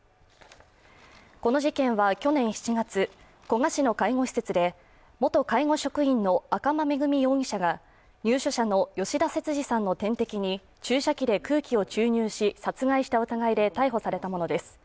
この事件は去年７月、古河市の介護施設で元介護職員の赤間恵美容疑者が入所者の吉田節次さんの点滴に注射器で空気を注入し殺害した疑いで逮捕されたものです。